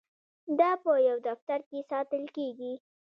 دا په یو دفتر کې ساتل کیږي.